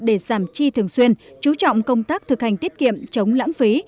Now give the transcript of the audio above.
để giảm chi thường xuyên chú trọng công tác thực hành tiết kiệm chống lãng phí